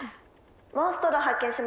「モンストロ発見しました。